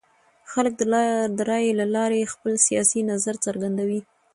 خلک د رایې له لارې خپل سیاسي نظر څرګندوي